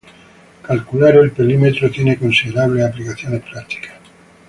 Calcular el perímetro tiene considerables aplicaciones prácticas.